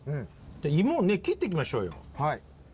いもをね切っていきましょうよ。